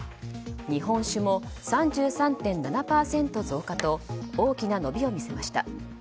日本酒も３３．７％増加と大きな伸びを見せました。